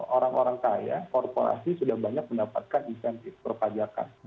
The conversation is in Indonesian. orang orang kaya korporasi sudah banyak mendapatkan insentif perpajakan